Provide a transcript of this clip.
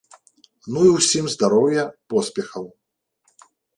Ну і ўсім здароўя, поспехаў.